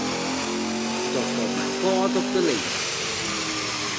Dat falt my kâld op 'e lea.